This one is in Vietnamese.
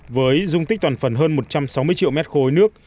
với dung tích toàn phần hơn một trăm sáu mươi triệu m ba nước